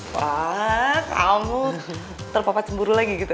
wah kamu terpapar cemburu lagi gitu